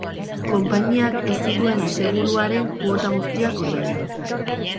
Konpainiak ez zituen aseguruaren kuota guztiak ordaindu.